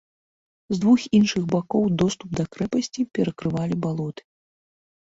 З двух іншых бакоў доступ да крэпасці перакрывалі балоты.